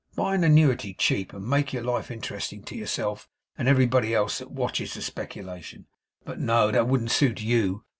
Buy an annuity cheap, and make your life interesting to yourself and everybody else that watches the speculation. But no, that wouldn't suit YOU.